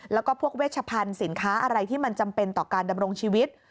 แล้วก็พวกเวชพันธุ์สินค้าอะไรที่มันจำเป็นต่อการดำรงชีวิต